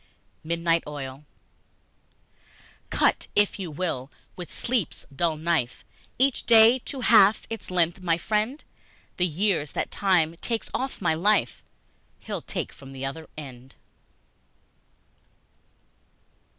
Midnight Oil CUT if you will, with Sleep's dull knife, Each day to half its length, my friend, The years that Time takes off my life, He'll take from the other end!